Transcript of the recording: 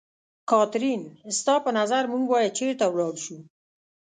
کاترین، ستا په نظر موږ باید چېرته ولاړ شو؟